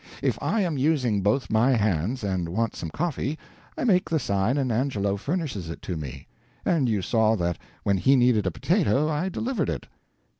If I am using both my hands and want some coffee, I make the sign and Angelo furnishes it to me; and you saw that when he needed a potato I delivered it."